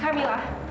apa yang dia lakukan